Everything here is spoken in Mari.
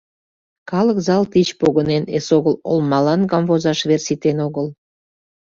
Калык зал тич погынен, эсогыл олмалан камвозаш вер ситен огыл.